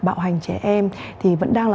bạo hành trẻ em thì vẫn đang là